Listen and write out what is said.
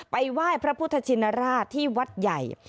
ไหว้พระพุทธชินราชที่วัดใหญ่